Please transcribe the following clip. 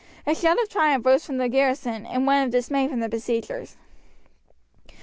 A shout of triumph rose from the garrison and one of dismay from the besiegers.